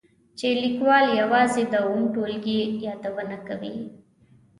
چې لیکوال یوازې د اووم ټولګي یادونه کوي.